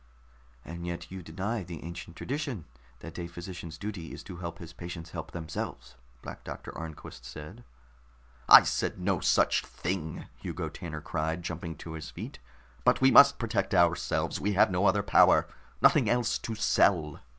"And yet you deny the ancient tradition that a physician's duty is to help his patients help themselves," Black Doctor Arnquist said. "I said no such thing!" Hugo Tanner cried, jumping to his feet. "But we must protect ourselves. We have no other power, nothing else to sell."